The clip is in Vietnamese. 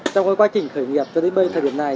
trong quá trình khởi nghiệp cho đến bây thời điểm này